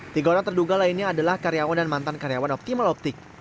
tiga orang terduga lainnya adalah karyawan dan mantan karyawan optimal optik